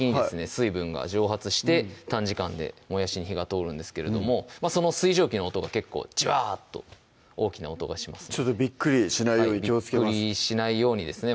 水分が蒸発して短時間でもやしに火が通るんですけれどもその水蒸気の音が結構ジュワーッと大きな音がしますのでビックリしないように気をつけますビックリしないようにですね